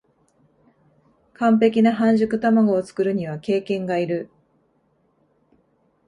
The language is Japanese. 完璧な半熟たまごを作るには経験がいる